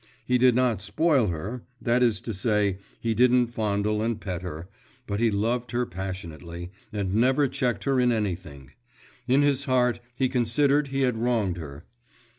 He did not spoil her, that is to say, he didn't fondle and pet her; but he loved her passionately, and never checked her in anything; in his heart he considered he had wronged her.